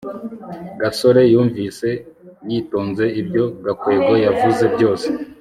gasore yumvise yitonze ibyo gakwego yavuze byose